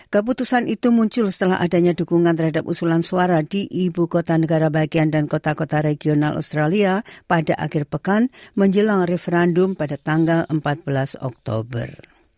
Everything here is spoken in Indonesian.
keputusan itu muncul setelah adanya dukungan terhadap usulan suara di ibu kota negara bagian dan kota kota regional australia pada akhir pekan menjelang referendum pada tanggal empat belas oktober